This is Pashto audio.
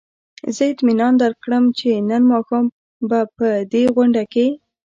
زه اطمینان درکړم چې نن ماښام به په دې غونډه کې.